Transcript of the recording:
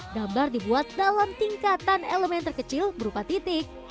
gambar dibuat dalam tingkatan elemen terkecil berupa titik